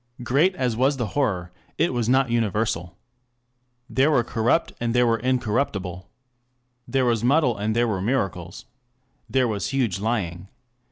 Great as was the horror, it was not universal. There were corrupt, and there were incorruptible. There was muddle and there were miracles. There was huge lying.